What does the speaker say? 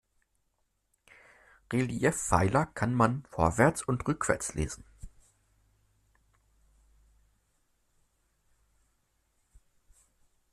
Reliefpfeiler kann man vorwärts und rückwärts lesen.